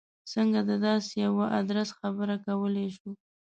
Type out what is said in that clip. څنګه د داسې یوه ادرس خبره کولای شو.